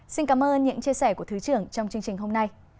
xin cảm ơn những chia sẻ của thứ trưởng trong chương trình hôm nay